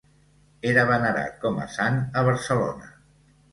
Era venerat com a sant a Barcelona.